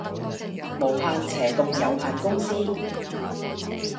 無限斜棟有限公司